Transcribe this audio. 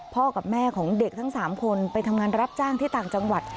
กับแม่ของเด็กทั้ง๓คนไปทำงานรับจ้างที่ต่างจังหวัด